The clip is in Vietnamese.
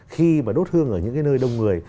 khi mà đốt hương ở những nơi đông người